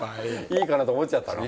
いいかなと思っちゃったの？